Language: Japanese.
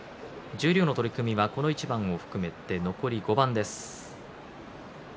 十両の取組はこの一番を含めて残り５番です。